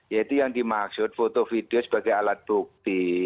jadi yang dimaksud foto video sebagai alat bukti